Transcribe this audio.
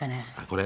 これ？